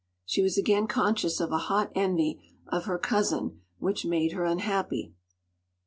” She was again conscious of a hot envy of her cousin which made her unhappy.